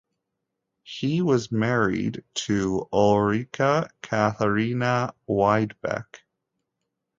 He was married to Ulrika Catharina Widebeck.